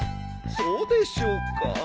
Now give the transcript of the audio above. そうでしょうか？